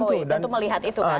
tentu melihat itu kan